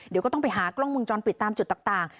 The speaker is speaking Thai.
เดี๋ยวก็ต้องไปหากล้องมุมจรปิดตามจุดต่าง